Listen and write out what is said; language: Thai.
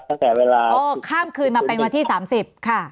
ตั้งแต่เวลาข้ามคืนมาเป็นวันที่๓๐ค่ะ